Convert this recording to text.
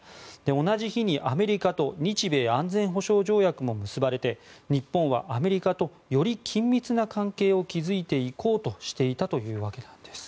同じ日に、アメリカと日米安全保障条約も結ばれ日本はアメリカとより緊密な関係を築いていこうとしていたんです。